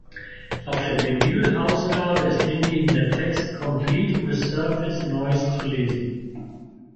Auf der Vinyl-Ausgabe ist hingegen der Text „complete with surface noise“ zu lesen.